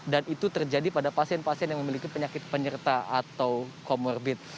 dan itu terjadi pada pasien pasien yang memiliki penyakit penyerta atau comorbid